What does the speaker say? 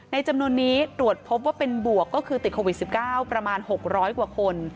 จำนวนนี้ตรวจพบว่าเป็นบวกก็คือติดโควิด๑๙ประมาณ๖๐๐กว่าคน